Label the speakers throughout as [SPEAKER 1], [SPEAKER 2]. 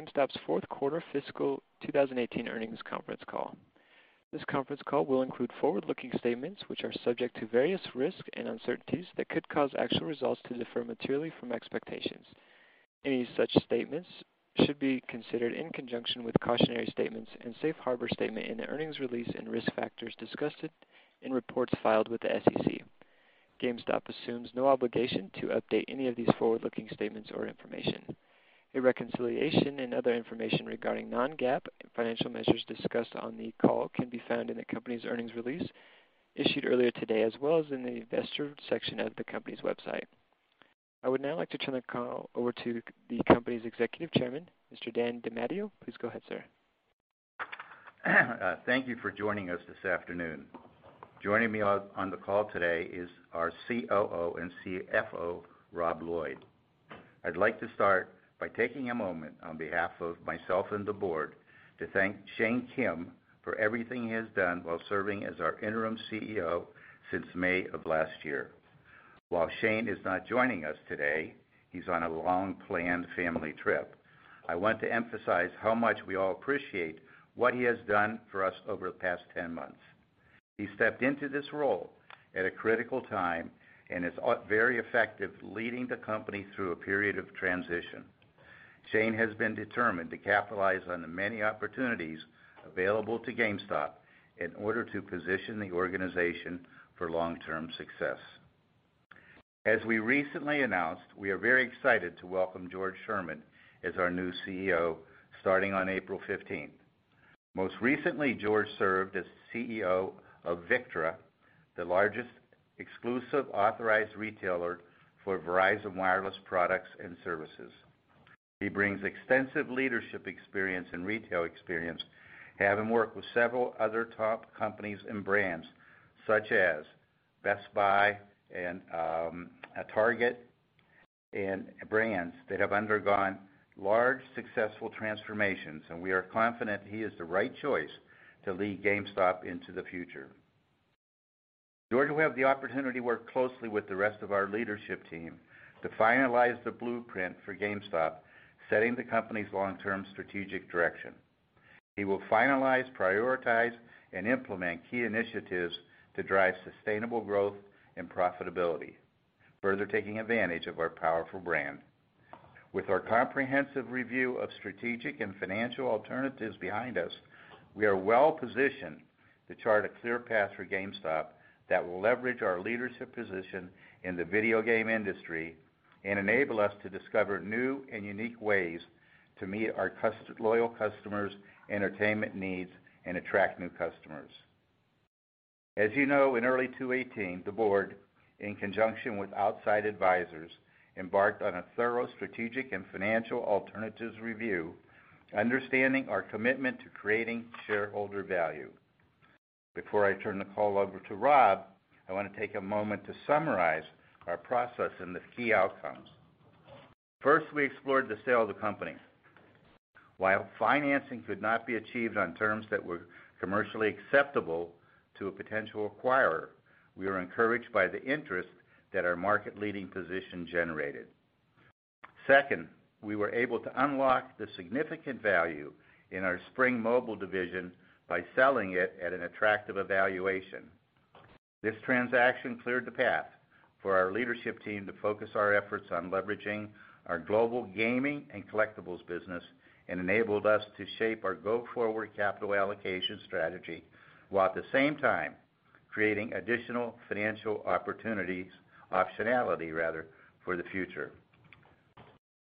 [SPEAKER 1] Welcome to GameStop's fourth quarter fiscal 2018 earnings conference call. This conference call will include forward-looking statements which are subject to various risks and uncertainties that could cause actual results to differ materially from expectations. Any such statements should be considered in conjunction with cautionary statements and safe harbor statement in the earnings release and risk factors discussed in reports filed with the SEC. GameStop assumes no obligation to update any of these forward-looking statements or information. A reconciliation and other information regarding non-GAAP financial measures discussed on the call can be found in the company's earnings release issued earlier today, as well as in the investor section of the company's website. I would now like to turn the call over to the company's Executive Chairman, Mr. Dan DeMatteo. Please go ahead, sir.
[SPEAKER 2] Thank you for joining us this afternoon. Joining me on the call today is our COO and CFO, Rob Lloyd. I'd like to start by taking a moment on behalf of myself and the board to thank Shane Kim for everything he has done while serving as our interim CEO since May of last year. While Shane is not joining us today, he's on a long-planned family trip, I want to emphasize how much we all appreciate what he has done for us over the past 10 months. He stepped into this role at a critical time and is very effective leading the company through a period of transition. Shane has been determined to capitalize on the many opportunities available to GameStop in order to position the organization for long-term success. As we recently announced, we are very excited to welcome George Sherman as our new CEO starting on April 15th. Most recently, George served as CEO of Victra, the largest exclusive authorized retailer for Verizon wireless products and services. He brings extensive leadership experience and retail experience, having worked with several other top companies and brands such as Best Buy and Target, and brands that have undergone large successful transformations. We are confident he is the right choice to lead GameStop into the future. George will have the opportunity to work closely with the rest of our leadership team to finalize the blueprint for GameStop, setting the company's long-term strategic direction. He will finalize, prioritize, and implement key initiatives to drive sustainable growth and profitability, further taking advantage of our powerful brand. With our comprehensive review of strategic and financial alternatives behind us, we are well positioned to chart a clear path for GameStop that will leverage our leadership position in the video game industry and enable us to discover new and unique ways to meet our loyal customers' entertainment needs and attract new customers. As you know, in early 2018, the board, in conjunction with outside advisors, embarked on a thorough strategic and financial alternatives review, understanding our commitment to creating shareholder value. Before I turn the call over to Rob, I want to take a moment to summarize our process and the key outcomes. First, we explored the sale of the company. While financing could not be achieved on terms that were commercially acceptable to a potential acquirer, we were encouraged by the interest that our market-leading position generated. Second, we were able to unlock the significant value in our Spring Mobile division by selling it at an attractive valuation. This transaction cleared the path for our leadership team to focus our efforts on leveraging our global gaming and collectibles business and enabled us to shape our go-forward capital allocation strategy, while at the same time, creating additional financial opportunities, optionality rather, for the future.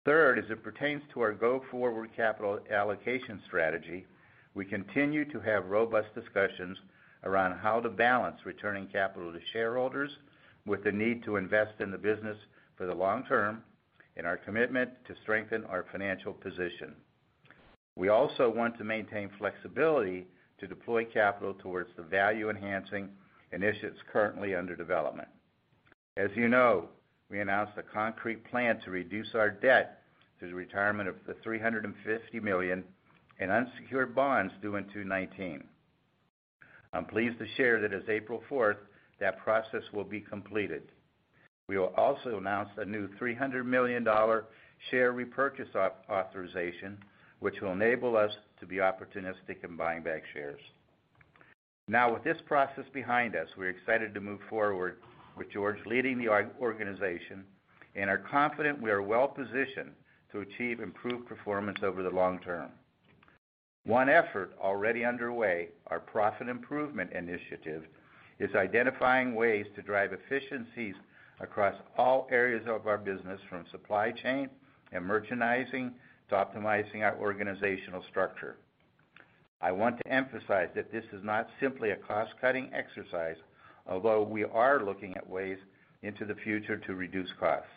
[SPEAKER 2] Third, as it pertains to our go-forward capital allocation strategy, we continue to have robust discussions around how to balance returning capital to shareholders with the need to invest in the business for the long term and our commitment to strengthen our financial position. We also want to maintain flexibility to deploy capital towards the value-enhancing initiatives currently under development. As you know, we announced a concrete plan to reduce our debt through the retirement of the $350 million in unsecured bonds due in 2019. I'm pleased to share that as of April 4th, that process will be completed. We will also announce a new $300 million share repurchase authorization, which will enable us to be opportunistic in buying back shares. Now, with this process behind us, we're excited to move forward with George leading the organization and are confident we are well positioned to achieve improved performance over the long term. One effort already underway, our Profit Improvement Initiative, is identifying ways to drive efficiencies across all areas of our business, from supply chain and merchandising to optimizing our organizational structure. I want to emphasize that this is not simply a cost-cutting exercise, although we are looking at ways into the future to reduce costs.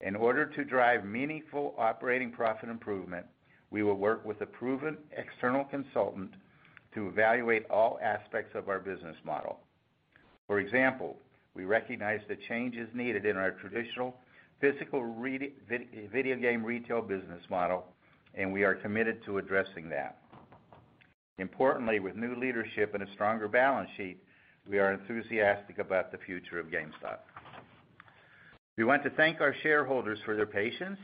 [SPEAKER 2] In order to drive meaningful operating profit improvement, we will work with a proven external consultant to evaluate all aspects of our business model. For example, we recognize the change is needed in our traditional physical video game retail business model, and we are committed to addressing that. Importantly, with new leadership and a stronger balance sheet, we are enthusiastic about the future of GameStop. We want to thank our shareholders for their patience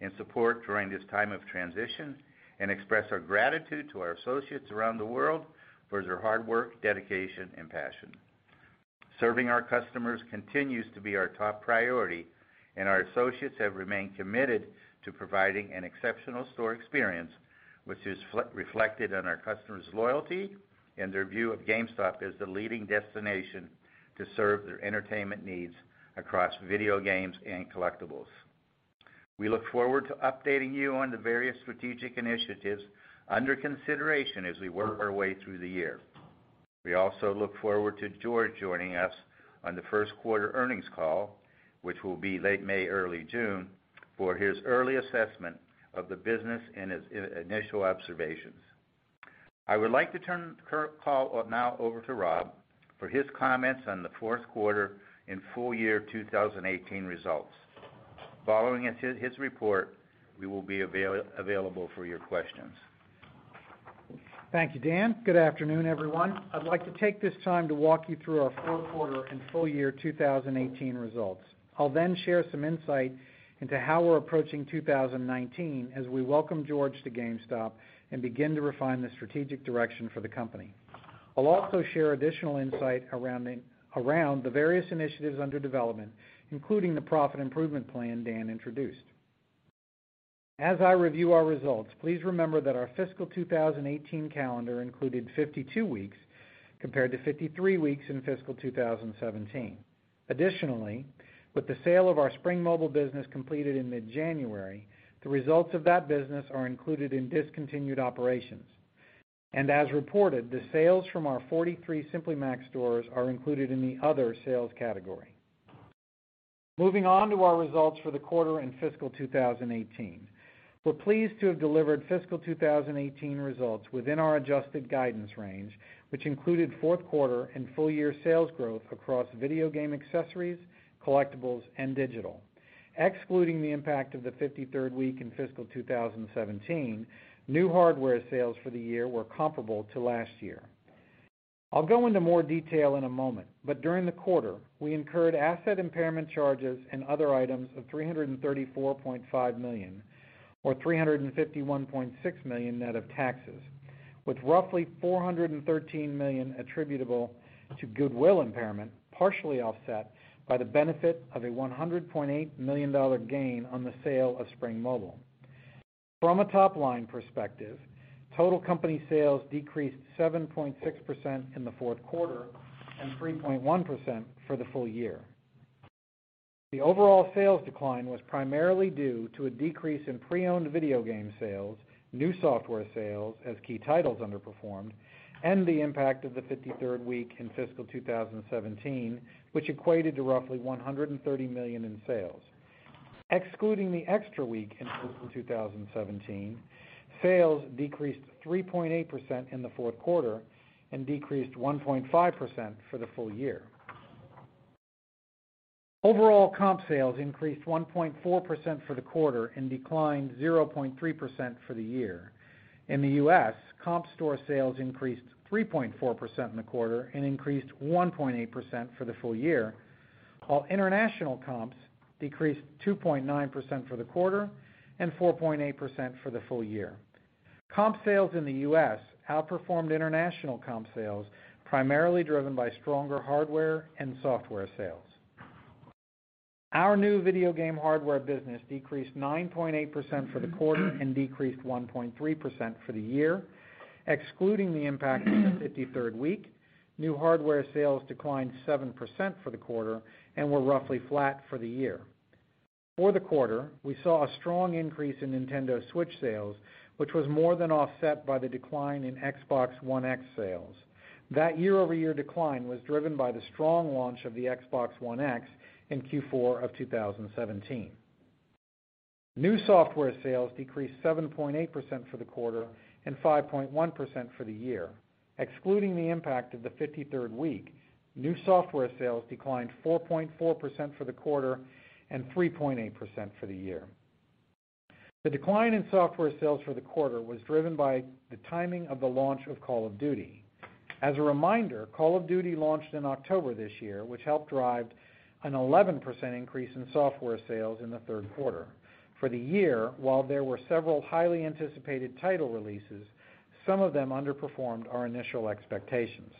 [SPEAKER 2] and support during this time of transition and express our gratitude to our associates around the world for their hard work, dedication, and passion. Serving our customers continues to be our top priority, and our associates have remained committed to providing an exceptional store experience, which is reflected in our customer's loyalty and their view of GameStop as the leading destination to serve their entertainment needs across video games and collectibles. We look forward to updating you on the various strategic initiatives under consideration as we work our way through the year. We also look forward to George joining us on the first quarter earnings call, which will be late May, early June, for his early assessment of the business and his initial observations. I would like to turn the call now over to Rob for his comments on the fourth quarter and full year 2018 results. Following his report, we will be available for your questions.
[SPEAKER 3] Thank you, Dan. Good afternoon, everyone. I'd like to take this time to walk you through our fourth quarter and full year 2018 results. I'll then share some insight into how we're approaching 2019 as we welcome George to GameStop and begin to refine the strategic direction for the company. I'll also share additional insight around the various initiatives under development, including the profit improvement plan Dan introduced. As I review our results, please remember that our fiscal 2018 calendar included 52 weeks, compared to 53 weeks in fiscal 2017. Additionally, with the sale of our Spring Mobile business completed in mid-January, the results of that business are included in discontinued operations. As reported, the sales from our 43 Simply Mac stores are included in the other sales category. Moving on to our results for the quarter and fiscal 2018. We're pleased to have delivered fiscal 2018 results within our adjusted guidance range, which included fourth quarter and full year sales growth across video game accessories, collectibles, and digital. Excluding the impact of the 53rd week in fiscal 2017, new hardware sales for the year were comparable to last year. I'll go into more detail in a moment, but during the quarter, we incurred asset impairment charges and other items of $334.5 million, or $351.6 million net of taxes, with roughly $413 million attributable to goodwill impairment, partially offset by the benefit of a $100.8 million gain on the sale of Spring Mobile. From a top-line perspective, total company sales decreased 7.6% in the fourth quarter and 3.1% for the full year. The overall sales decline was primarily due to a decrease in pre-owned video game sales, new software sales as key titles underperformed, and the impact of the 53rd week in fiscal 2017, which equated to roughly $130 million in sales. Excluding the extra week in fiscal 2017, sales decreased 3.8% in the fourth quarter and decreased 1.5% for the full year. Overall comp sales increased 1.4% for the quarter and declined 0.3% for the year. In the U.S., comp store sales increased 3.4% in the quarter and increased 1.8% for the full year, while international comps decreased 2.9% for the quarter and 4.8% for the full year. Comp sales in the U.S. outperformed international comp sales, primarily driven by stronger hardware and software sales. Our new video game hardware business decreased 9.8% for the quarter and decreased 1.3% for the year. Excluding the impact of the 53rd week, new hardware sales declined 7% for the quarter and were roughly flat for the year. For the quarter, we saw a strong increase in Nintendo Switch sales, which was more than offset by the decline in Xbox One X sales. That year-over-year decline was driven by the strong launch of the Xbox One X in Q4 of 2017. New software sales decreased 7.8% for the quarter and 5.1% for the year. Excluding the impact of the 53rd week, new software sales declined 4.4% for the quarter and 3.8% for the year. The decline in software sales for the quarter was driven by the timing of the launch of Call of Duty. As a reminder, Call of Duty launched in October this year, which helped drive an 11% increase in software sales in the third quarter. For the year, while there were several highly anticipated title releases, some of them underperformed our initial expectations.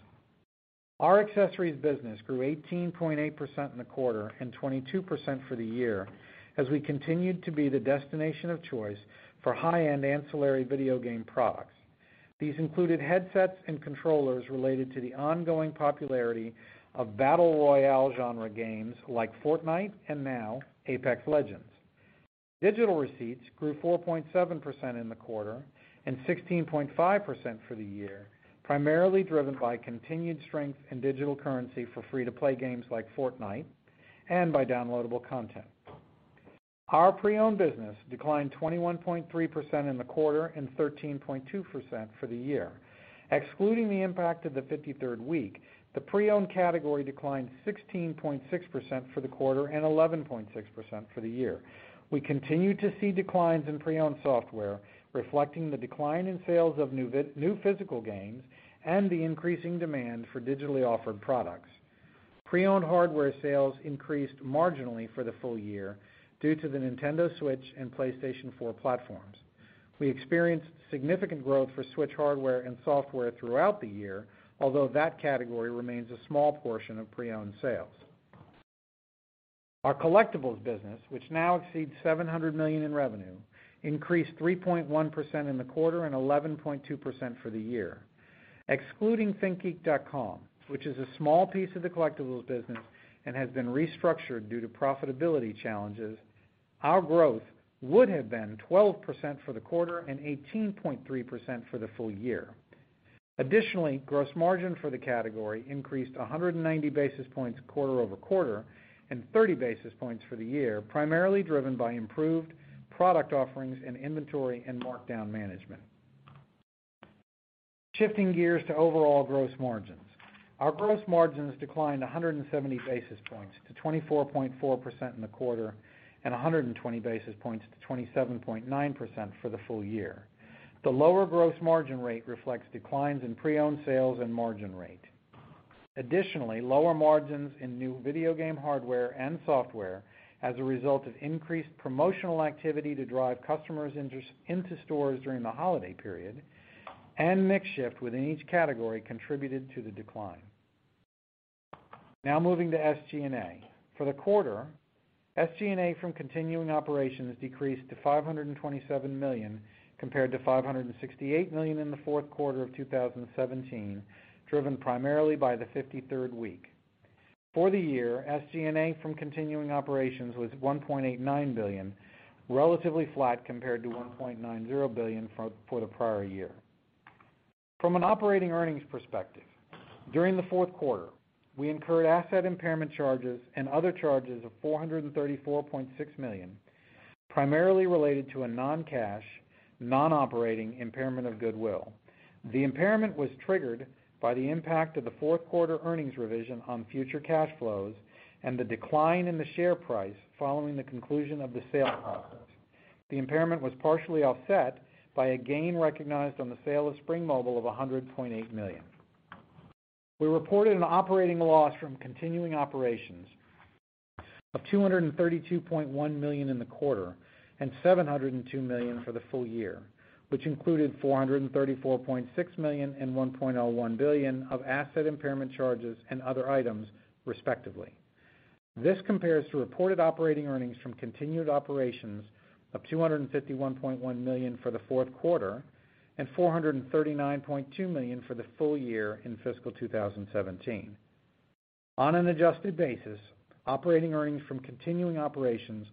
[SPEAKER 3] Our accessories business grew 18.8% in the quarter and 22% for the year as we continued to be the destination of choice for high-end ancillary video game products. These included headsets and controllers related to the ongoing popularity of battle royale genre games like Fortnite and now Apex Legends. Digital receipts grew 4.7% in the quarter and 16.5% for the year, primarily driven by continued strength in digital currency for free-to-play games like Fortnite and by downloadable content. Our pre-owned business declined 21.3% in the quarter and 13.2% for the year. Excluding the impact of the 53rd week, the pre-owned category declined 16.6% for the quarter and 11.6% for the year. We continue to see declines in pre-owned software, reflecting the decline in sales of new physical games and the increasing demand for digitally offered products. Pre-owned hardware sales increased marginally for the full year due to the Nintendo Switch and PlayStation 4 platforms. We experienced significant growth for Switch hardware and software throughout the year, although that category remains a small portion of pre-owned sales. Our collectibles business, which now exceeds $700 million in revenue, increased 3.1% in the quarter and 11.2% for the year. Excluding ThinkGeek.com, which is a small piece of the collectibles business and has been restructured due to profitability challenges, our growth would have been 12% for the quarter and 18.3% for the full year. Additionally, gross margin for the category increased 190 basis points quarter-over-quarter and 30 basis points for the year, primarily driven by improved product offerings and inventory and markdown management. Shifting gears to overall gross margins. Our gross margins declined 170 basis points to 24.4% in the quarter and 120 basis points to 27.9% for the full year. The lower gross margin rate reflects declines in pre-owned sales and margin rate. Additionally, lower margins in new video game hardware and software, as a result of increased promotional activity to drive customers into stores during the holiday period, and mix shift within each category contributed to the decline. Moving to SG&A. For the quarter, SG&A from continuing operations decreased to $527 million, compared to $568 million in the fourth quarter of 2017, driven primarily by the 53rd week. For the year, SG&A from continuing operations was $1.89 billion, relatively flat compared to $1.90 billion for the prior year. From an operating earnings perspective, during the fourth quarter, we incurred asset impairment charges and other charges of $434.6 million, primarily related to a non-cash, non-operating impairment of goodwill. The impairment was triggered by the impact of the fourth quarter earnings revision on future cash flows and the decline in the share price following the conclusion of the sale process. The impairment was partially offset by a gain recognized on the sale of Spring Mobile of $100.8 million. We reported an operating loss from continuing operations of $232.1 million in the quarter and $702 million for the full year, which included $434.6 million and $1.01 billion of asset impairment charges and other items, respectively. This compares to reported operating earnings from continued operations of $251.1 million for the fourth quarter and $439.2 million for the full year in fiscal 2017. On an adjusted basis, operating earnings from continuing operations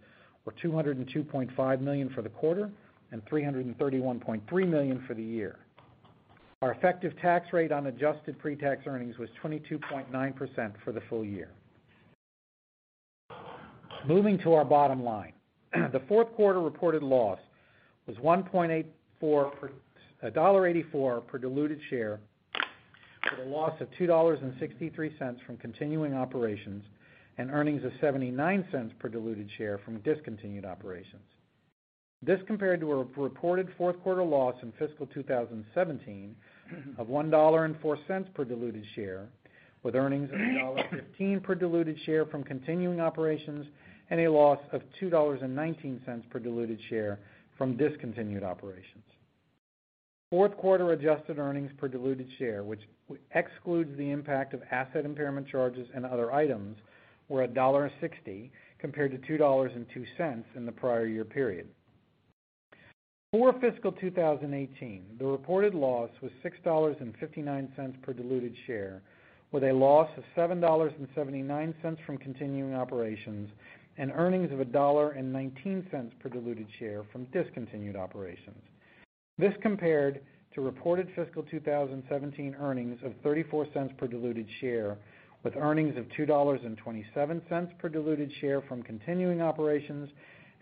[SPEAKER 3] were $202.5 million for the quarter and $331.3 million for the year. Our effective tax rate on adjusted pre-tax earnings was 22.9% for the full year. Moving to our bottom line. The fourth quarter reported loss was $1.84 per diluted share with a loss of $2.63 from continuing operations and earnings of $0.79 per diluted share from discontinued operations. This compared to a reported fourth-quarter loss in fiscal 2017 of $1.04 per diluted share, with earnings of $1.15 per diluted share from continuing operations and a loss of $2.19 per diluted share from discontinued operations. Fourth quarter adjusted earnings per diluted share, which excludes the impact of asset impairment charges and other items, were $1.60, compared to $2.02 in the prior year period. For fiscal 2018, the reported loss was $6.59 per diluted share, with a loss of $7.79 from continuing operations and earnings of $1.19 per diluted share from discontinued operations. This compared to reported fiscal 2017 earnings of $0.34 per diluted share, with earnings of $2.27 per diluted share from continuing operations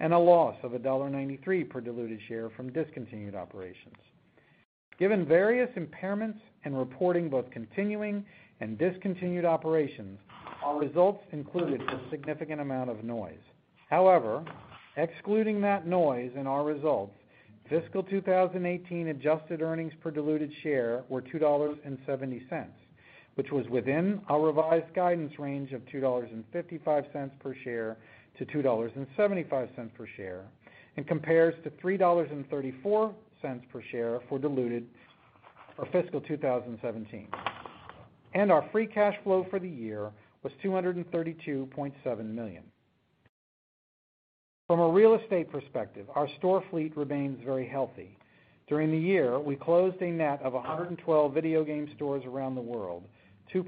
[SPEAKER 3] and a loss of $1.93 per diluted share from discontinued operations. Given various impairments in reporting both continuing and discontinued operations, our results included a significant amount of noise. Excluding that noise in our results, fiscal 2018 adjusted earnings per diluted share were $2.70, which was within our revised guidance range of $2.55-$2.75 per share, and compares to $3.34 per share for fiscal 2017. Our free cash flow for the year was $232.7 million. From a real estate perspective, our store fleet remains very healthy. During the year, we closed a net of 112 video game stores around the world, 2%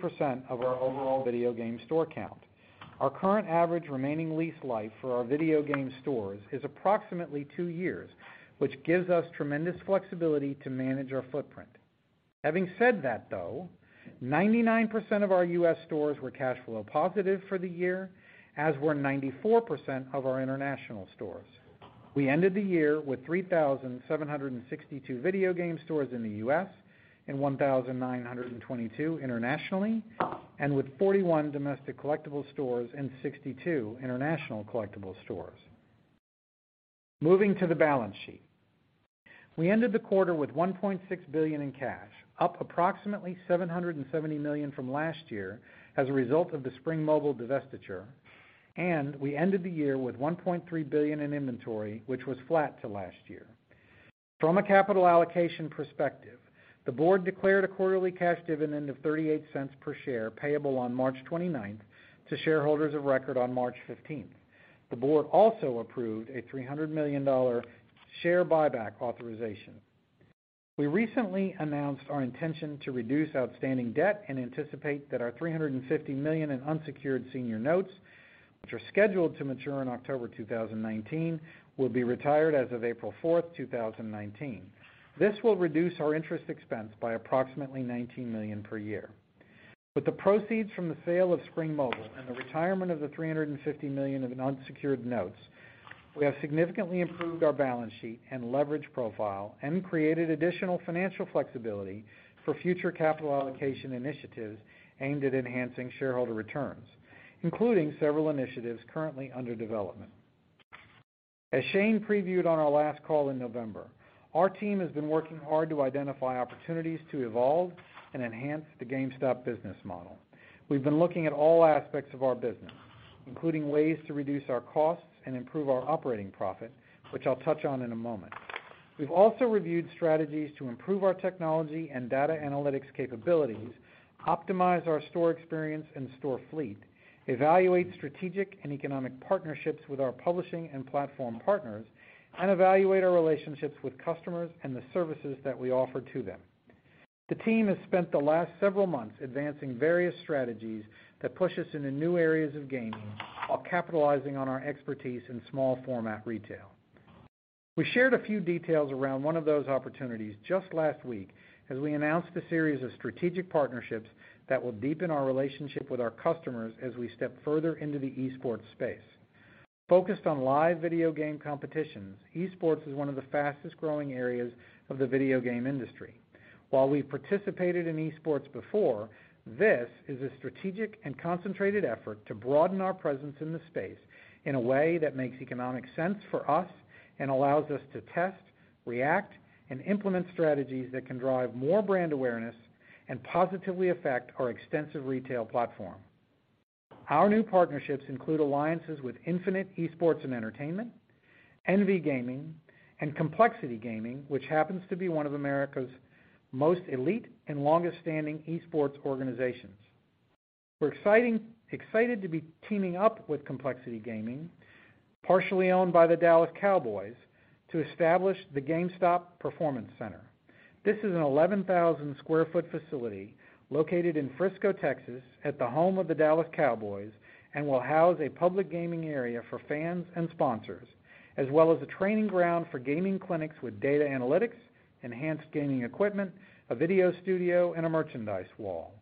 [SPEAKER 3] of our overall video game store count. Our current average remaining lease life for our video game stores is approximately two years, which gives us tremendous flexibility to manage our footprint. Having said that, though, 99% of our U.S. stores were cash flow positive for the year, as were 94% of our international stores. We ended the year with 3,762 video game stores in the U.S. and 1,922 internationally, and with 41 domestic collectible stores and 62 international collectible stores. Moving to the balance sheet. We ended the quarter with $1.6 billion in cash, up approximately $770 million from last year as a result of the Spring Mobile divestiture, we ended the year with $1.3 billion in inventory, which was flat to last year. From a capital allocation perspective, the board declared a quarterly cash dividend of $0.38 per share payable on March 29th to shareholders of record on March 15th. The board also approved a $300 million share buyback authorization. We recently announced our intention to reduce outstanding debt and anticipate that our $350 million in unsecured senior notes, which are scheduled to mature in October 2019, will be retired as of April 4th, 2019. This will reduce our interest expense by approximately $19 million per year. With the proceeds from the sale of Spring Mobile and the retirement of the $350 million of unsecured notes, we have significantly improved our balance sheet and leverage profile and created additional financial flexibility for future capital allocation initiatives aimed at enhancing shareholder returns, including several initiatives currently under development. As Shane previewed on our last call in November, our team has been working hard to identify opportunities to evolve and enhance the GameStop business model. We've been looking at all aspects of our business, including ways to reduce our costs and improve our operating profit, which I'll touch on in a moment. We've also reviewed strategies to improve our technology and data analytics capabilities, optimize our store experience and store fleet, evaluate strategic and economic partnerships with our publishing and platform partners, and evaluate our relationships with customers and the services that we offer to them. The team has spent the last several months advancing various strategies that push us into new areas of gaming while capitalizing on our expertise in small format retail. We shared a few details around one of those opportunities just last week as we announced a series of strategic partnerships that will deepen our relationship with our customers as we step further into the esports space. Focused on live video game competitions, esports is one of the fastest-growing areas of the video game industry. While we participated in esports before, this is a strategic and concentrated effort to broaden our presence in the space in a way that makes economic sense for us and allows us to test, react, and implement strategies that can drive more brand awareness and positively affect our extensive retail platform. Our new partnerships include alliances with Infinite Esports & Entertainment, Envy Gaming, and Complexity Gaming, which happens to be one of America's most elite and longest-standing esports organizations. We're excited to be teaming up with Complexity Gaming, partially owned by the Dallas Cowboys, to establish the GameStop Performance Center. This is an 11,000 sq ft facility located in Frisco, Texas, at the home of the Dallas Cowboys, and will house a public gaming area for fans and sponsors as well as a training ground for gaming clinics with data analytics, enhanced gaming equipment, a video studio, and a merchandise wall.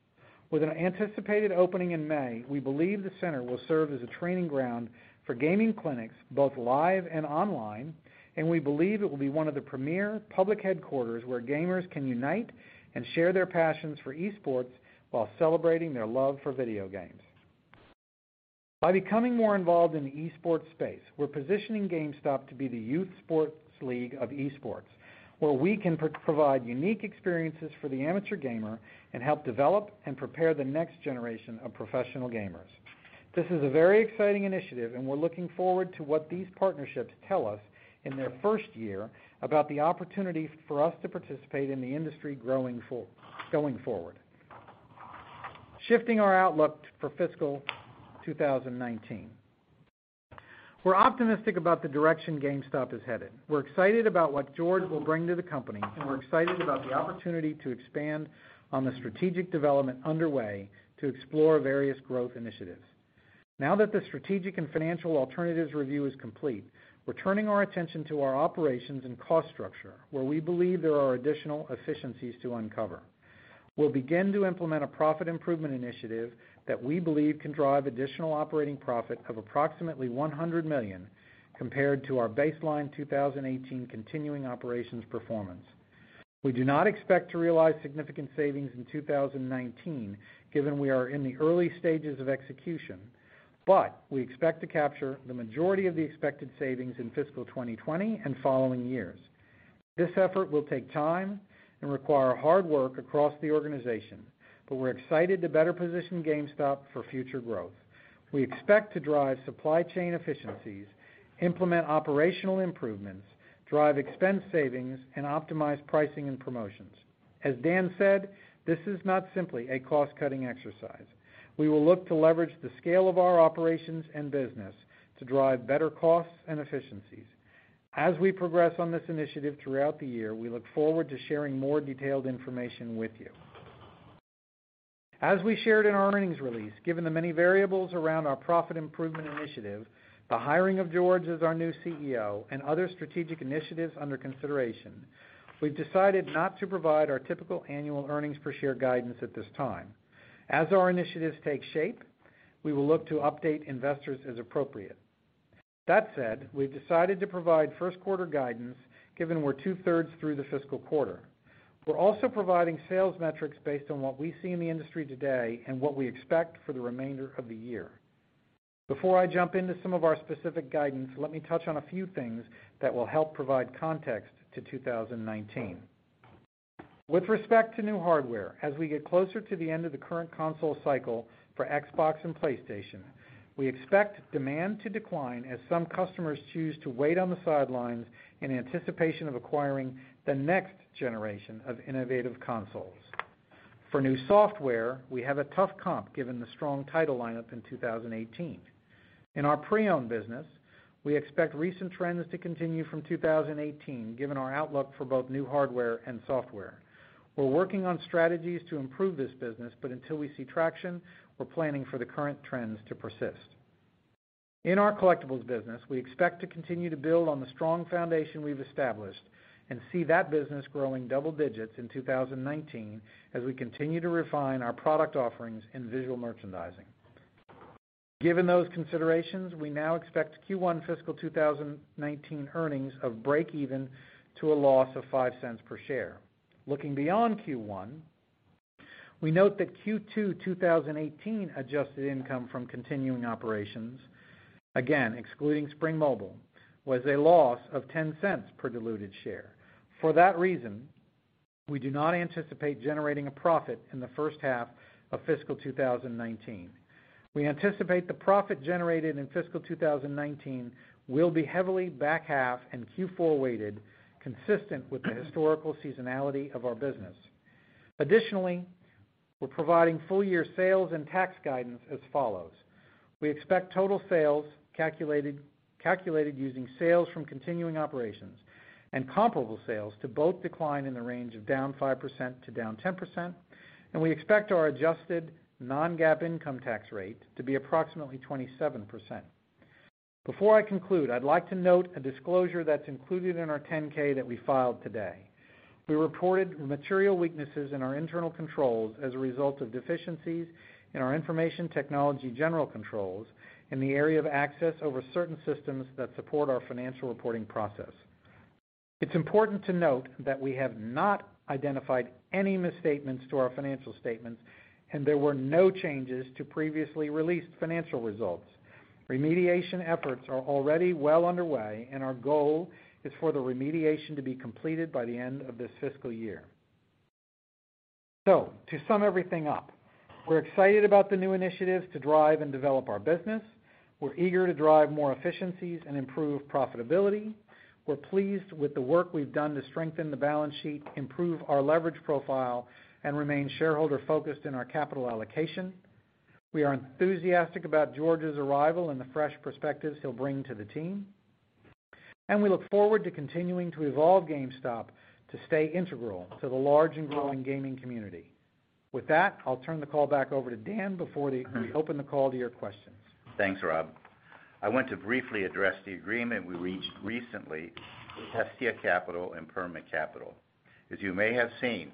[SPEAKER 3] With an anticipated opening in May, we believe the center will serve as a training ground for gaming clinics, both live and online, and we believe it will be one of the premier public headquarters where gamers can unite and share their passions for esports while celebrating their love for video games. By becoming more involved in the esports space, we're positioning GameStop to be the youth sports league of esports, where we can provide unique experiences for the amateur gamer and help develop and prepare the next generation of professional gamers. This is a very exciting initiative, and we're looking forward to what these partnerships tell us in their first year about the opportunity for us to participate in the industry going forward. Shifting our outlook for fiscal 2019. We're optimistic about the direction GameStop is headed. We're excited about what George will bring to the company, and we're excited about the opportunity to expand on the strategic development underway to explore various growth initiatives. Now that the strategic and financial alternatives review is complete, we're turning our attention to our operations and cost structure, where we believe there are additional efficiencies to uncover. We'll begin to implement a profit improvement initiative that we believe can drive additional operating profit of approximately $100 million compared to our baseline 2018 continuing operations performance. We do not expect to realize significant savings in 2019, given we are in the early stages of execution, but we expect to capture the majority of the expected savings in fiscal 2020 and following years. This effort will take time and require hard work across the organization, but we're excited to better position GameStop for future growth. We expect to drive supply chain efficiencies, implement operational improvements, drive expense savings, and optimize pricing and promotions. As Dan said, this is not simply a cost-cutting exercise. We will look to leverage the scale of our operations and business to drive better costs and efficiencies. As we progress on this initiative throughout the year, we look forward to sharing more detailed information with you. As we shared in our earnings release, given the many variables around our profit improvement initiative, the hiring of George as our new CEO, and other strategic initiatives under consideration, we've decided not to provide our typical annual earnings per share guidance at this time. As our initiatives take shape, we will look to update investors as appropriate. That said, we've decided to provide first quarter guidance given we're two-thirds through the fiscal quarter. We're also providing sales metrics based on what we see in the industry today and what we expect for the remainder of the year. Before I jump into some of our specific guidance, let me touch on a few things that will help provide context to 2019. With respect to new hardware, as we get closer to the end of the current console cycle for Xbox and PlayStation, we expect demand to decline as some customers choose to wait on the sidelines in anticipation of acquiring the next generation of innovative consoles. For new software, we have a tough comp, given the strong title lineup in 2018. In our pre-owned business, we expect recent trends to continue from 2018, given our outlook for both new hardware and software. We're working on strategies to improve this business, but until we see traction, we're planning for the current trends to persist. In our collectibles business, we expect to continue to build on the strong foundation we've established and see that business growing double digits in 2019, as we continue to refine our product offerings in visual merchandising. Given those considerations, we now expect Q1 fiscal 2019 earnings of break even to a loss of $0.05 per share. Looking beyond Q1, we note that Q2 2018 adjusted income from continuing operations, again, excluding Spring Mobile, was a loss of $0.10 per diluted share. For that reason, we do not anticipate generating a profit in the first half of fiscal 2019. We anticipate the profit generated in fiscal 2019 will be heavily back-half and Q4-weighted, consistent with the historical seasonality of our business. Additionally, we're providing full-year sales and tax guidance as follows. We expect total sales, calculated using sales from continuing operations and comparable sales to both decline in the range of -5% to -10%, and we expect our adjusted non-GAAP income tax rate to be approximately 27%. Before I conclude, I'd like to note a disclosure that's included in our 10-K that we filed today. We reported material weaknesses in our internal controls as a result of deficiencies in our information technology general controls in the area of access over certain systems that support our financial reporting process. It's important to note that we have not identified any misstatements to our financial statements, and there were no changes to previously released financial results. Remediation efforts are already well underway, and our goal is for the remediation to be completed by the end of this fiscal year. To sum everything up, we're excited about the new initiatives to drive and develop our business. We're eager to drive more efficiencies and improve profitability. We're pleased with the work we've done to strengthen the balance sheet, improve our leverage profile, and remain shareholder-focused in our capital allocation. We are enthusiastic about George's arrival and the fresh perspectives he'll bring to the team. We look forward to continuing to evolve GameStop to stay integral to the large and growing gaming community. With that, I'll turn the call back over to Dan before we open the call to your questions.
[SPEAKER 2] Thanks, Rob. I want to briefly address the agreement we reached recently with Hestia Capital and Permit Capital. As you may have seen,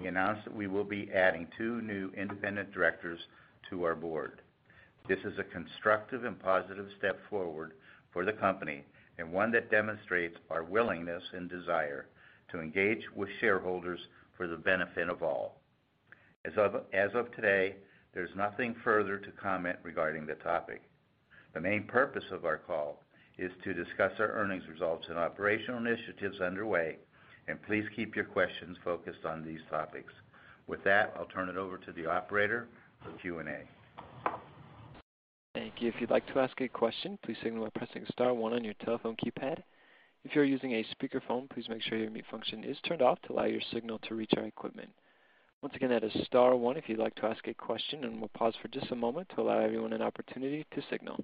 [SPEAKER 2] we announced that we will be adding two new independent directors to our board. This is a constructive and positive step forward for the company and one that demonstrates our willingness and desire to engage with shareholders for the benefit of all. As of today, there's nothing further to comment regarding the topic. The main purpose of our call is to discuss our earnings results and operational initiatives underway, and please keep your questions focused on these topics. With that, I'll turn it over to the operator for Q&A.
[SPEAKER 1] Thank you. If you'd like to ask a question, please signal by pressing *1 on your telephone keypad. If you're using a speakerphone, please make sure your mute function is turned off to allow your signal to reach our equipment. Once again, that is *1 if you'd like to ask a question, and we'll pause for just a moment to allow everyone an opportunity to signal.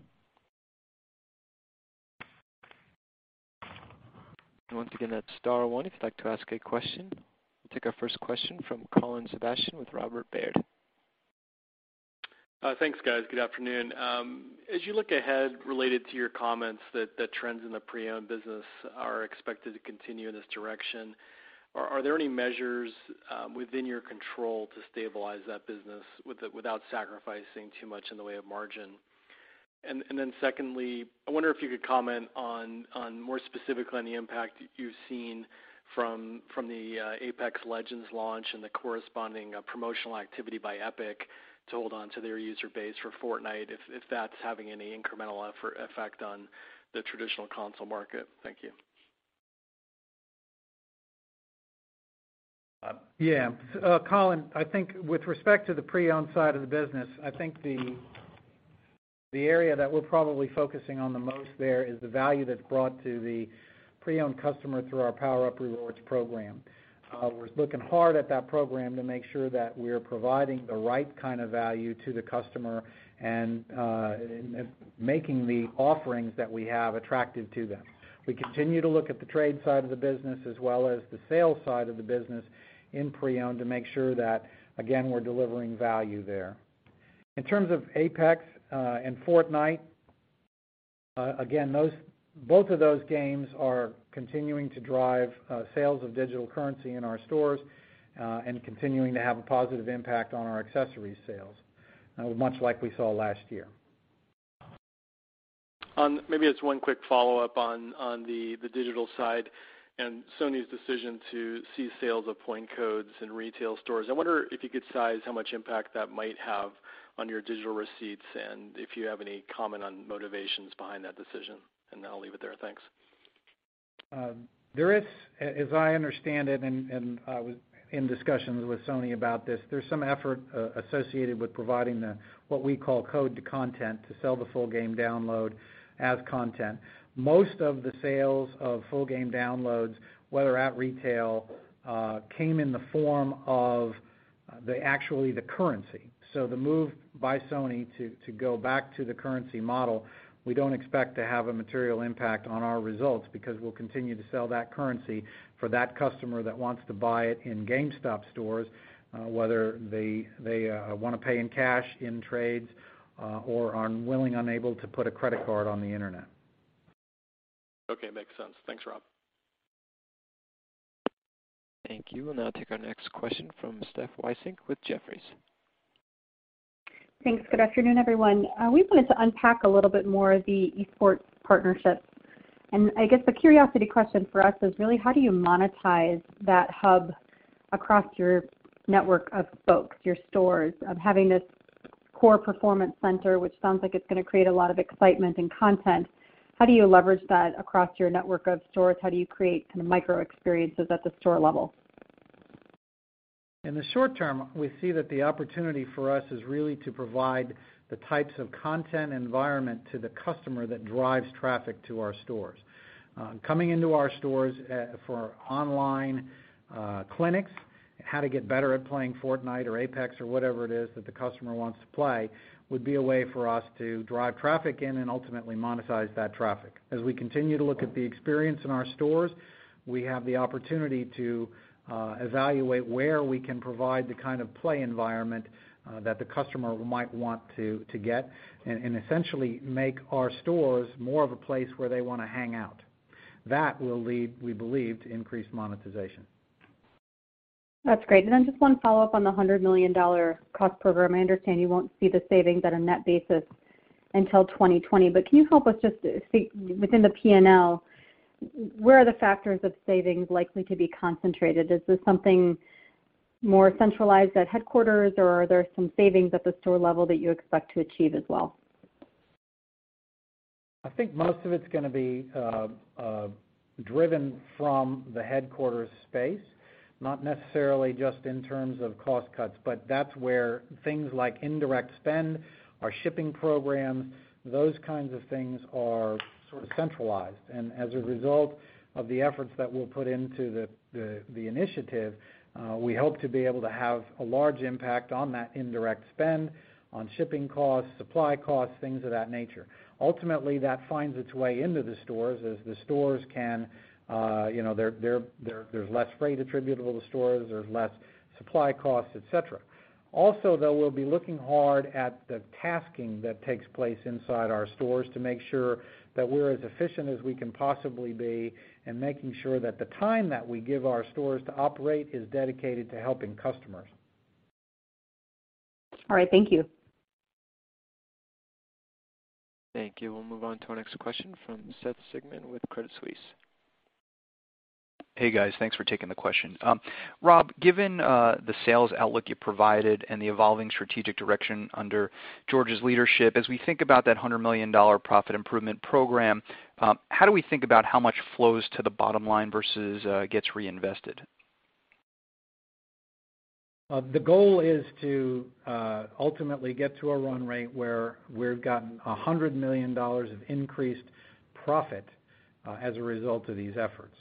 [SPEAKER 1] Once again, that's *1 if you'd like to ask a question. We'll take our first question from Colin Sebastian with Robert W. Baird.
[SPEAKER 4] Thanks, guys. Good afternoon. As you look ahead related to your comments that the trends in the pre-owned business are expected to continue in this direction, are there any measures within your control to stabilize that business without sacrificing too much in the way of margin? Secondly, I wonder if you could comment more specifically on the impact you've seen from the Apex Legends launch and the corresponding promotional activity by Epic to hold onto their user base for Fortnite, if that's having any incremental effect on the traditional console market. Thank you.
[SPEAKER 3] Yeah. Colin, I think with respect to the pre-owned side of the business, I think the area that we're probably focusing on the most there is the value that's brought to the pre-owned customer through our PowerUp Rewards program. We're looking hard at that program to make sure that we're providing the right kind of value to the customer and making the offerings that we have attractive to them. We continue to look at the trade side of the business as well as the sales side of the business in pre-owned to make sure that, again, we're delivering value there. In terms of Apex and Fortnite, again, both of those games are continuing to drive sales of digital currency in our stores and continuing to have a positive impact on our accessories sales, much like we saw last year.
[SPEAKER 4] Maybe it's one quick follow-up on the digital side and Sony's decision to cease sales of point codes in retail stores. I wonder if you could size how much impact that might have on your digital receipts and if you have any comment on motivations behind that decision. I'll leave it there. Thanks.
[SPEAKER 3] There is, as I understand it, and I was in discussions with Sony about this, there's some effort associated with providing the, what we call code to content to sell the full game download as content. Most of the sales of full game downloads, whether at retail, came in the form of actually the currency. The move by Sony to go back to the currency model, we don't expect to have a material impact on our results because we'll continue to sell that currency for that customer that wants to buy it in GameStop stores, whether they want to pay in cash, in trades, or are willing/unable to put a credit card on the internet.
[SPEAKER 4] Okay. Makes sense. Thanks, Rob.
[SPEAKER 1] Thank you. We'll now take our next question from Steph Wissink with Jefferies.
[SPEAKER 5] Thanks. Good afternoon, everyone. We wanted to unpack a little bit more of the esports partnerships. I guess the curiosity question for us is really how do you monetize that hub across your network of folks, your stores, of having this core Performance Center, which sounds like it's going to create a lot of excitement and content. How do you leverage that across your network of stores? How do you create micro-experiences at the store level?
[SPEAKER 3] In the short term, we see that the opportunity for us is really to provide the types of content and environment to the customer that drives traffic to our stores. Coming into our stores for online clinics, how to get better at playing Fortnite or Apex or whatever it is that the customer wants to play, would be a way for us to drive traffic in and ultimately monetize that traffic. As we continue to look at the experience in our stores, we have the opportunity to evaluate where we can provide the kind of play environment that the customer might want to get and essentially make our stores more of a place where they want to hang out. That will lead, we believe, to increased monetization.
[SPEAKER 5] That's great. Just one follow-up on the $100 million cost program. I understand you won't see the savings at a net basis until 2020, but can you help us just within the P&L, where are the factors of savings likely to be concentrated? Is this something more centralized at headquarters, or are there some savings at the store level that you expect to achieve as well?
[SPEAKER 3] I think most of it's going to be driven from the headquarters space, not necessarily just in terms of cost cuts, but that's where things like indirect spend, our shipping programs, those kinds of things are sort of centralized. As a result of the efforts that we'll put into the initiative, we hope to be able to have a large impact on that indirect spend on shipping costs, supply costs, things of that nature. Ultimately, that finds its way into the stores as there's less freight attributable to stores, there's less supply costs, et cetera. Though, we'll be looking hard at the tasking that takes place inside our stores to make sure that we're as efficient as we can possibly be and making sure that the time that we give our stores to operate is dedicated to helping customers.
[SPEAKER 5] All right. Thank you.
[SPEAKER 1] Thank you. We'll move on to our next question from Seth Sigman with Credit Suisse.
[SPEAKER 6] Hey, guys. Thanks for taking the question. Rob, given the sales outlook you provided and the evolving strategic direction under George's leadership, as we think about that $100 million Profit Improvement Program, how do we think about how much flows to the bottom line versus gets reinvested?
[SPEAKER 3] The goal is to ultimately get to a run rate where we've gotten $100 million of increased profit as a result of these efforts.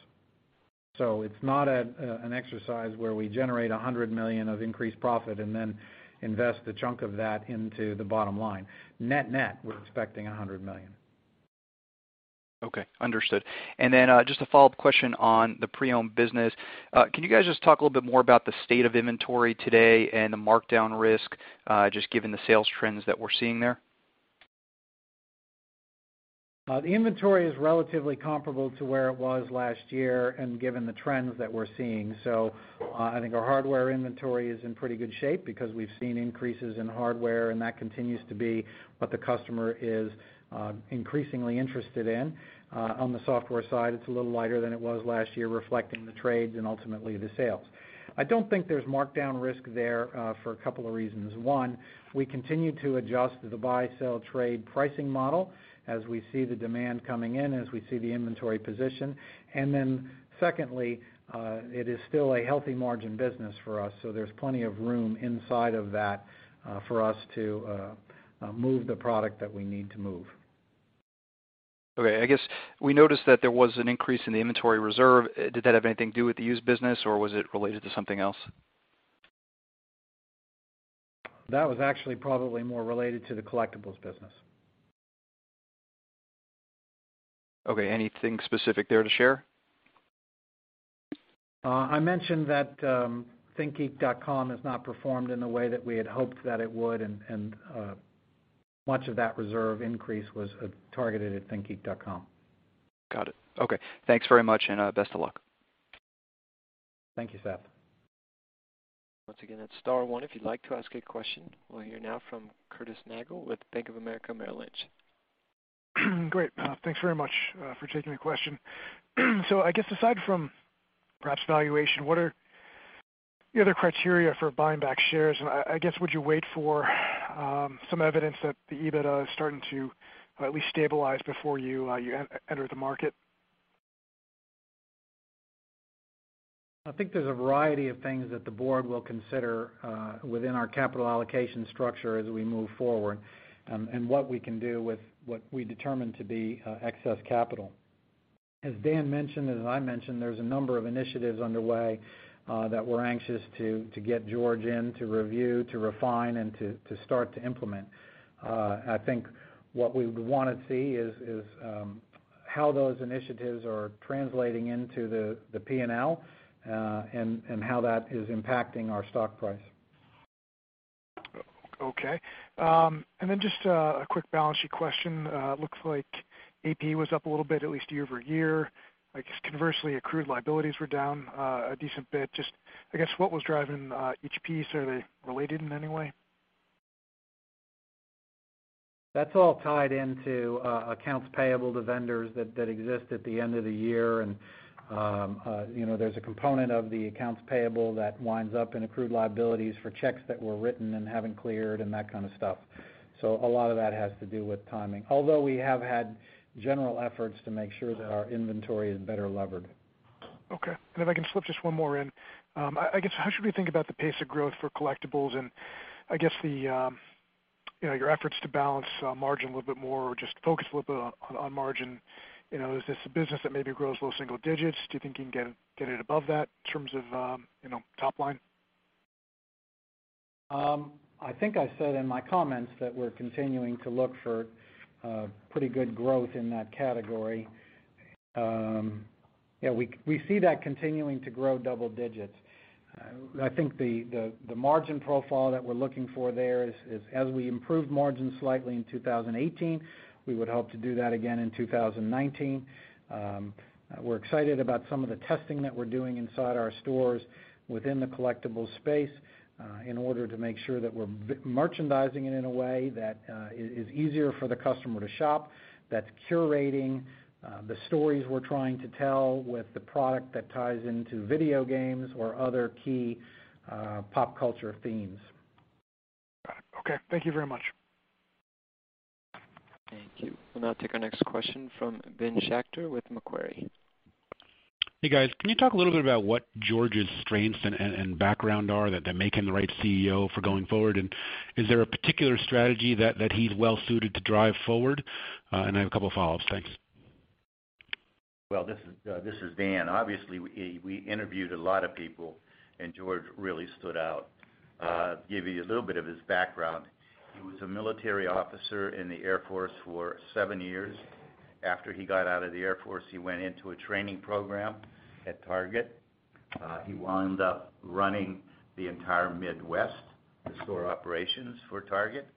[SPEAKER 3] It's not an exercise where we generate $100 million of increased profit and then invest a chunk of that into the bottom line. Net net, we're expecting $100 million.
[SPEAKER 6] Okay. Understood. Just a follow-up question on the pre-owned business. Can you guys just talk a little bit more about the state of inventory today and the markdown risk, just given the sales trends that we're seeing there?
[SPEAKER 3] The inventory is relatively comparable to where it was last year and given the trends that we're seeing. I think our hardware inventory is in pretty good shape because we've seen increases in hardware, and that continues to be what the customer is increasingly interested in. On the software side, it's a little lighter than it was last year, reflecting the trades and ultimately the sales. I don't think there's markdown risk there for a couple of reasons. One, we continue to adjust the buy, sell, trade pricing model as we see the demand coming in, as we see the inventory position. Secondly, it is still a healthy margin business for us, so there's plenty of room inside of that for us to move the product that we need to move.
[SPEAKER 6] Okay. I guess we noticed that there was an increase in the inventory reserve. Did that have anything to do with the used business, or was it related to something else?
[SPEAKER 3] That was actually probably more related to the collectibles business.
[SPEAKER 6] Okay. Anything specific there to share?
[SPEAKER 3] I mentioned that ThinkGeek.com has not performed in the way that we had hoped that it would. Much of that reserve increase was targeted at ThinkGeek.com.
[SPEAKER 6] Got it. Okay. Thanks very much, and best of luck.
[SPEAKER 3] Thank you, Seth.
[SPEAKER 1] Once again, that's star one if you'd like to ask a question. We'll hear now from Curtis Nagle with Bank of America Merrill Lynch.
[SPEAKER 7] Great. Thanks very much for taking the question. I guess aside from perhaps valuation, what are the other criteria for buying back shares? I guess, would you wait for some evidence that the EBITDA is starting to at least stabilize before you enter the market?
[SPEAKER 3] I think there's a variety of things that the board will consider within our capital allocation structure as we move forward and what we can do with what we determine to be excess capital. As Dan mentioned, and as I mentioned, there's a number of initiatives underway that we're anxious to get George in to review, to refine, and to start to implement. I think what we would want to see is how those initiatives are translating into the P&L, and how that is impacting our stock price.
[SPEAKER 7] Okay. Just a quick balance sheet question. Looks like AP was up a little bit, at least year-over-year. I guess conversely, accrued liabilities were down a decent bit. Just, I guess, what was driving each piece? Are they related in any way?
[SPEAKER 3] That's all tied into accounts payable to vendors that exist at the end of the year. There's a component of the accounts payable that winds up in accrued liabilities for checks that were written and haven't cleared and that kind of stuff. A lot of that has to do with timing. Although we have had general efforts to make sure that our inventory is better levered.
[SPEAKER 7] Okay. If I can slip just one more in. I guess, how should we think about the pace of growth for collectibles and, I guess, your efforts to balance margin a little bit more, or just focus a little bit on margin. Is this a business that maybe grows low single digits? Do you think you can get it above that in terms of top line?
[SPEAKER 3] I think I said in my comments that we're continuing to look for pretty good growth in that category. Yeah, we see that continuing to grow double digits. I think the margin profile that we're looking for there is, as we improve margins slightly in 2018, we would hope to do that again in 2019. We're excited about some of the testing that we're doing inside our stores within the collectibles space, in order to make sure that we're merchandising it in a way that is easier for the customer to shop, that's curating the stories we're trying to tell with the product that ties into video games or other key pop culture themes.
[SPEAKER 7] Got it. Okay. Thank you very much.
[SPEAKER 1] Thank you. We'll now take our next question from Ben Schachter with Macquarie.
[SPEAKER 8] Hey, guys. Can you talk a little bit about what George's strengths and background are that make him the right CEO for going forward? Is there a particular strategy that he's well-suited to drive forward? I have a couple of follow-ups. Thanks.
[SPEAKER 2] This is Dan. Obviously, we interviewed a lot of people. George really stood out. Give you a little bit of his background. He was a military officer in the Air Force for seven years. After he got out of the Air Force, he went into a training program at Target. He wound up running the entire Midwest, the store operations for Target.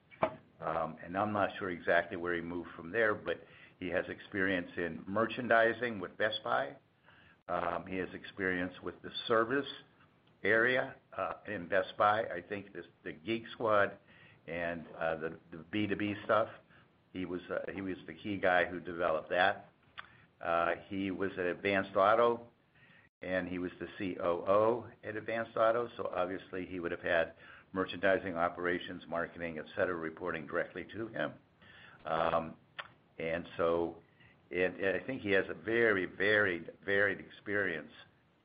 [SPEAKER 2] I'm not sure exactly where he moved from there, but he has experience in merchandising with Best Buy. He has experience with the service area in Best Buy. I think the Geek Squad and the B2B stuff, he was the key guy who developed that. He was at Advance Auto, he was the COO at Advance Auto, so obviously, he would have had merchandising, operations, marketing, et cetera, reporting directly to him. I think he has a very varied experience,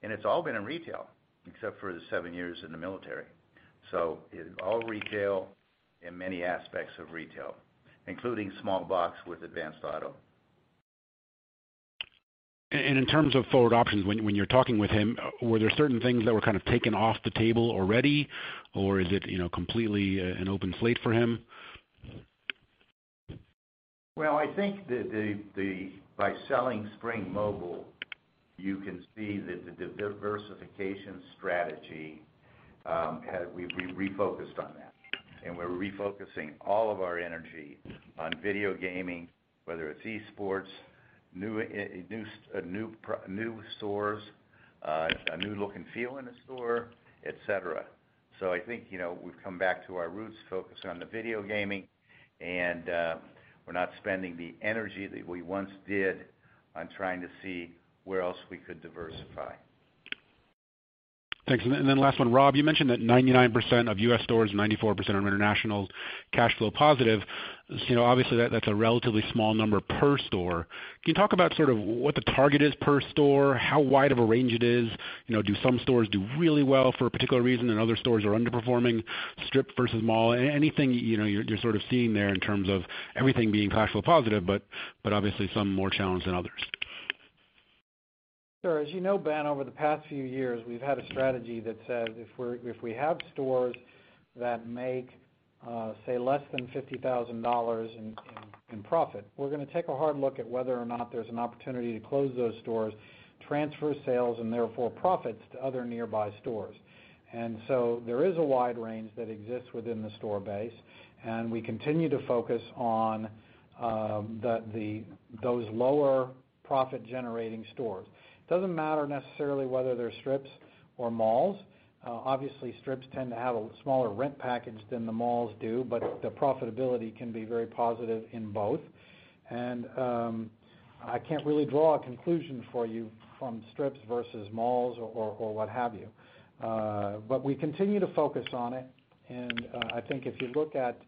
[SPEAKER 2] and it's all been in retail except for the seven years in the military. All retail in many aspects of retail, including small box with Advance Auto.
[SPEAKER 8] In terms of forward options, when you were talking with him, were there certain things that were kind of taken off the table already, or is it completely an open slate for him?
[SPEAKER 2] I think that by selling Spring Mobile, you can see that the diversification strategy, we refocused on that. We're refocusing all of our energy on video gaming, whether it's esports, new stores, a new look and feel in the store, et cetera. I think we've come back to our roots focused on the video gaming, and we're not spending the energy that we once did on trying to see where else we could diversify.
[SPEAKER 8] Thanks. Last one. Rob, you mentioned that 99% of U.S. stores, 94% of international, cash flow positive. Obviously, that's a relatively small number per store. Can you talk about sort of what the target is per store, how wide of a range it is? Do some stores do really well for a particular reason, and other stores are underperforming, strip versus mall? Anything you're sort of seeing there in terms of everything being cash flow positive, but obviously some more challenged than others.
[SPEAKER 3] Sir, as you know, Ben, over the past few years, we've had a strategy that says if we have stores that make, say, less than $50,000 in profit, we're going to take a hard look at whether or not there's an opportunity to close those stores, transfer sales, and therefore profits, to other nearby stores. There is a wide range that exists within the store base, and we continue to focus on those lower profit-generating stores. It doesn't matter necessarily whether they're strips or malls. Obviously, strips tend to have a smaller rent package than the malls do, but the profitability can be very positive in both. I can't really draw a conclusion for you from strips versus malls or what have you. We continue to focus on it, and I think if you look at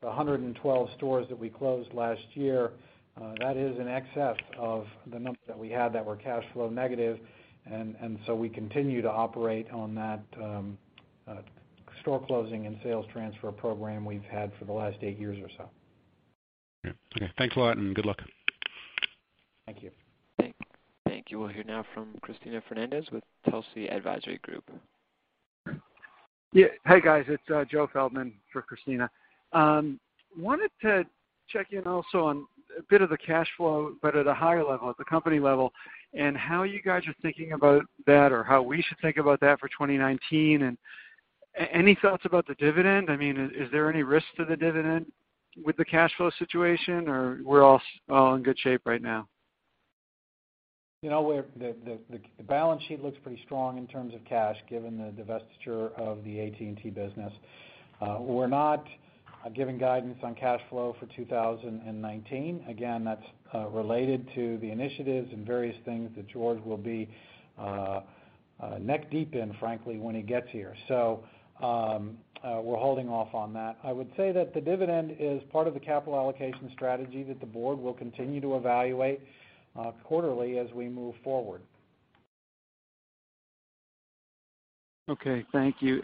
[SPEAKER 3] the 112 stores that we closed last year, that is in excess of the number that we had that were cash flow negative. We continue to operate on that store closing and sales transfer program we've had for the last eight years or so.
[SPEAKER 8] Yeah. Okay. Thanks a lot, and good luck.
[SPEAKER 3] Thank you.
[SPEAKER 1] Thank you. We'll hear now from Cristina Fernández with Telsey Advisory Group.
[SPEAKER 9] Yeah. Hey, guys, it's Joe Feldman for Cristina. Wanted to check in also on a bit of the cash flow, but at a higher level, at the company level, and how you guys are thinking about that or how we should think about that for 2019, and any thoughts about the dividend? I mean, is there any risk to the dividend with the cash flow situation, or we're all in good shape right now?
[SPEAKER 3] The balance sheet looks pretty strong in terms of cash, given the divestiture of the AT&T business. We're not giving guidance on cash flow for 2019. Again, that's related to the initiatives and various things that George will be neck deep in, frankly, when he gets here. We're holding off on that. I would say that the dividend is part of the capital allocation strategy that the board will continue to evaluate quarterly as we move forward.
[SPEAKER 9] Okay, thank you.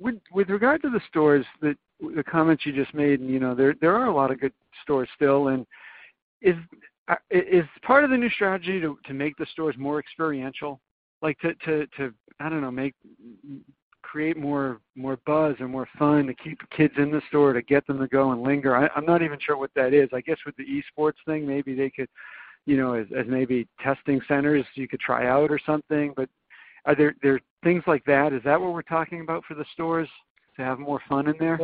[SPEAKER 9] With regard to the stores, the comments you just made, there are a lot of good stores still, and is part of the new strategy to make the stores more experiential, like to, I don't know, create more buzz and more fun to keep kids in the store, to get them to go and linger? I'm not even sure what that is. I guess with the esports thing, maybe they could, as maybe testing centers you could try out or something. Are there things like that? Is that what we're talking about for the stores, to have more fun in there?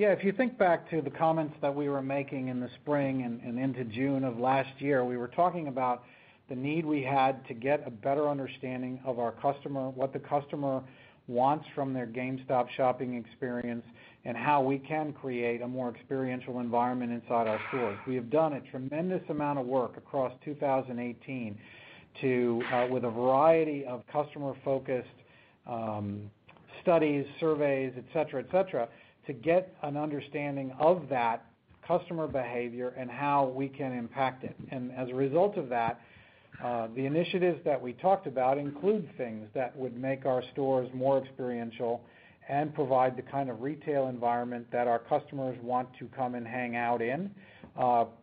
[SPEAKER 3] Yeah, if you think back to the comments that we were making in the spring and into June of last year, we were talking about the need we had to get a better understanding of our customer, what the customer wants from their GameStop shopping experience, and how we can create a more experiential environment inside our stores. We have done a tremendous amount of work across 2018 with a variety of customer-focused studies, surveys, et cetera, to get an understanding of that customer behavior and how we can impact it. As a result of that, the initiatives that we talked about include things that would make our stores more experiential and provide the kind of retail environment that our customers want to come and hang out in.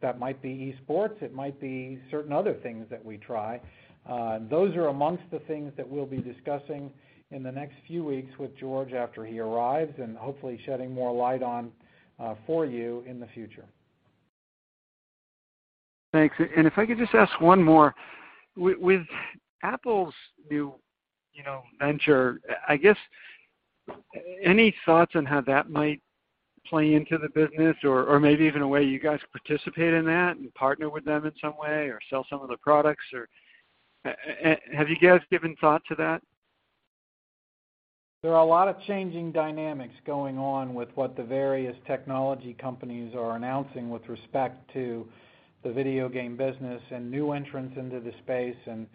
[SPEAKER 3] That might be esports. It might be certain other things that we try. Those are amongst the things that we'll be discussing in the next few weeks with George after he arrives and hopefully shedding more light on for you in the future.
[SPEAKER 9] Thanks. If I could just ask one more. With Apple's new venture, I guess, any thoughts on how that might play into the business or maybe even a way you guys participate in that and partner with them in some way, or sell some of the products, or have you guys given thought to that?
[SPEAKER 3] There are a lot of changing dynamics going on with what the various technology companies are announcing with respect to the video game business and new entrants into the space and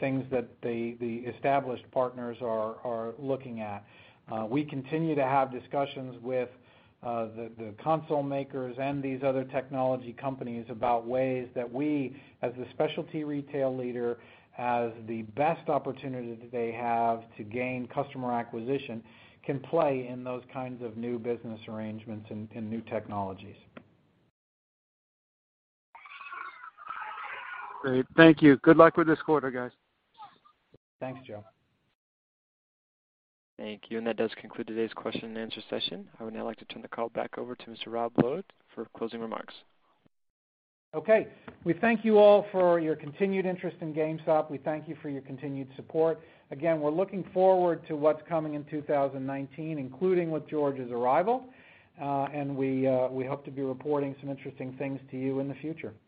[SPEAKER 3] things that the established partners are looking at. We continue to have discussions with the console makers and these other technology companies about ways that we, as the specialty retail leader, as the best opportunity that they have to gain customer acquisition, can play in those kinds of new business arrangements and new technologies.
[SPEAKER 9] Great. Thank you. Good luck with this quarter, guys.
[SPEAKER 3] Thanks, Joe.
[SPEAKER 1] Thank you. That does conclude today's question and answer session. I would now like to turn the call back over to Mr. Rob Lloyd for closing remarks.
[SPEAKER 3] Okay. We thank you all for your continued interest in GameStop. We thank you for your continued support. Again, we're looking forward to what's coming in 2019, including with George's arrival. We hope to be reporting some interesting things to you in the future.